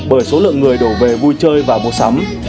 bởi số lượng người đổ về vui chơi và mua sắm